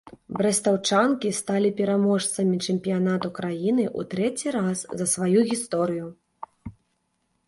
Брэстаўчанкі сталі пераможцамі чэмпіянату краіны ў трэці раз за сваю гісторыю.